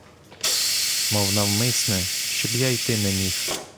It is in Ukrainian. Мов навмисне, щоби я йти не міг.